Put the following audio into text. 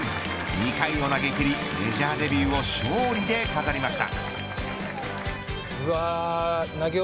２回を投げきりメジャーデビューを勝利で飾りました。